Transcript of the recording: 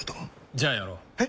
じゃあやろう。え？